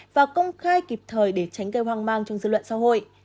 và công khai kịp thời để tránh gây hoang mang trong dư luận xã hội